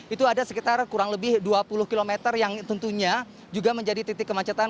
itu ada sekitar kurang lebih dua puluh km yang tentunya juga menjadi titik kemacetan